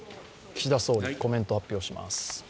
岸田総理、コメント発表します。